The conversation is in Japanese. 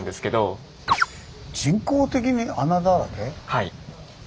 はい。